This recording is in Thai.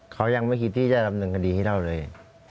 เขายังไม่คิดที่จะดำเนินคดีให้เราเลย